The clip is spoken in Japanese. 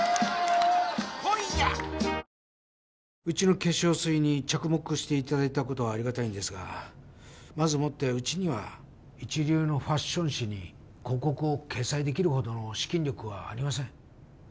うちの化粧水に着目していただいたことはありがたいんですがまずもってうちには一流のファッション誌に広告を掲載できるほどの資金力はありません